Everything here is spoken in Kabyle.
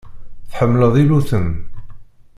Tḥemmleḍ iluten.